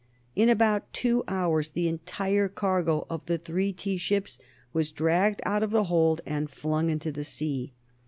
In about two hours the entire cargo of the three tea ships was dragged out of the hold and flung into the sea.